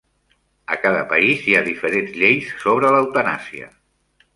A cada país hi ha diferents lleis sobre l'eutanàsia.